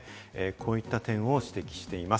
こういった点を指摘しています。